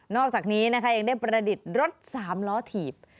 อกจากนี้นะคะยังได้ประดิษฐ์รถ๓ล้อถีบ